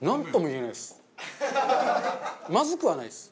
まずくはないです。